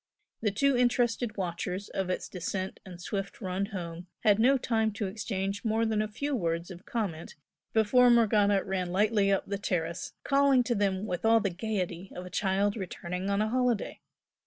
The two interested watchers of its descent and swift "run home" had no time to exchange more than a few words of comment before Morgana ran lightly up the terrace, calling to them with all the gaiety of a child returning on a holiday.